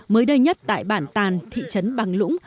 mới đây nhất tại bản tàn thị trấn bằng lũng